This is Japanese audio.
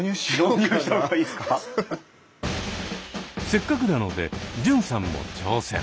せっかくなので純さんも挑戦！